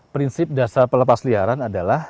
prinsip dasar pelepasliaran adalah